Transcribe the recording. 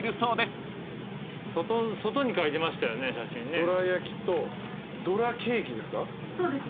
どら焼きとどらケーキですか？